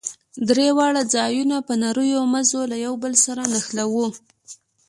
درې واړه ځايونه په نريو مزو له يو بل سره نښلوو.